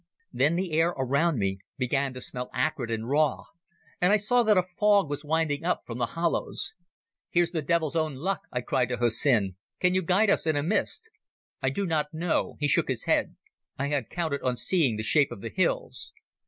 Then the air around me began to smell acrid and raw, and I saw that a fog was winding up from the hollows. "Here's the devil's own luck," I cried to Hussin. "Can you guide us in a mist?" "I do not know." He shook his head. "I had counted on seeing the shape of the hills."